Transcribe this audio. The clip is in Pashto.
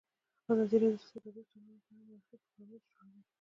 ازادي راډیو د سوداګریز تړونونه په اړه د معارفې پروګرامونه چلولي.